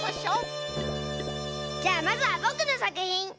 じゃあまずはぼくのさくひん。